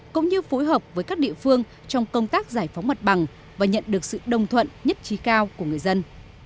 cũng như phối hợp với các địa phương trong công tác giải phóng mặt bằng và nhận được sự đồng thuận nhất trí cao của người dân